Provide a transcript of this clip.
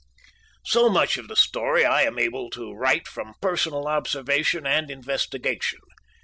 So much of the story I am able to write from personal observation and investigation.